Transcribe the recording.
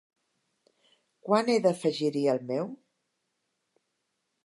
Quan he d'afegir-hi el meu?